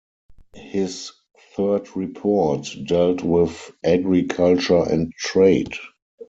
His third report dealt with agriculture and trade.